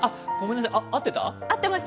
合ってた？